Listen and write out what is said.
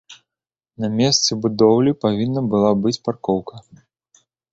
На месцы будоўлі павінна была быць паркоўка.